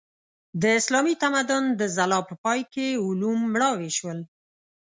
د اسلامي تمدن د ځلا په پای کې علوم مړاوي شول.